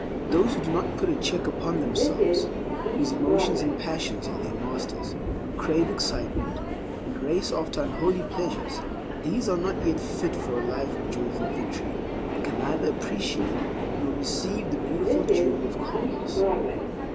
Those who do not put a check upon themselves, whose emotions and passions are their masters, who crave excitement and race after unholy pleasures— these are not yet fit for a life of joyful victory, and can neither appreciate nor receive the beautiful jewel of calmness.